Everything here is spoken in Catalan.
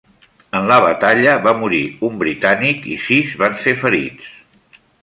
En la batalla va morir un britànic i sis van ser ferits.